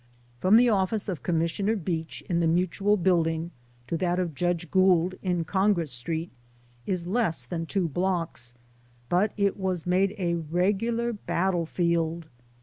From the office of Commissioner Beach, in the Mutual Building, to that of Judge Gould, in Con gress Street, is less than two blocks, but it was made a regular battle field.